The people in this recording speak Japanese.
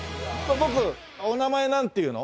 お名前なんていうの？